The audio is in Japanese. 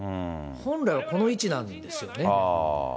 本来はこの位置なんですよね。